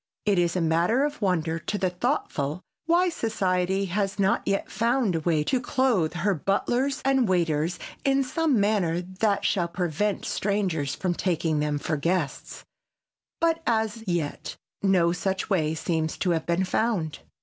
It is a matter of wonder to the thoughtful why society has not yet found a way to clothe her butlers and waiters in some manner that shall prevent strangers from taking them for guests, but as yet no such way seems to have been found.